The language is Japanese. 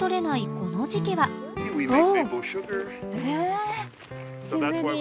この時期はえ！